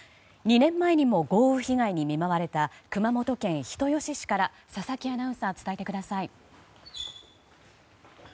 ２年前にも豪雨被害に見舞われた熊本県人吉市から佐々木アナウンサー伝えてください。